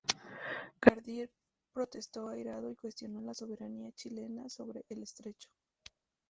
Gardiner protestó airado y cuestionó la soberanía chilena sobre el estrecho.